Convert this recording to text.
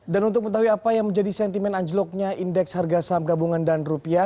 dan untuk mengetahui apa yang menjadi sentimen anjloknya indeks harga saham gabungan dan rupiah